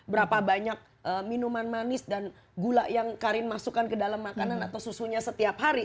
berapa banyak minuman manis dan gula yang karin masukkan ke dalam makanan atau susunya setiap hari